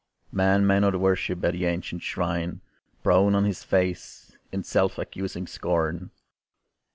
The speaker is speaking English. Man may not worship at the ancient shrine Prone on his face, in self accusing scorn.